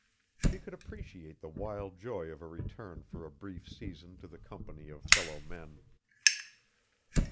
She could appreciate the wild joy of a return for a brief season to the company of fellow men.